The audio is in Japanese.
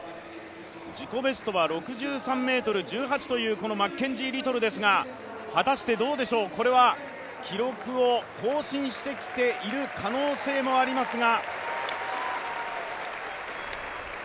自己ベストは６３ｍ１８というマッケンジー・リトルですが果たしてどうでしょう、これは記録を更新してきている可能性もありますが。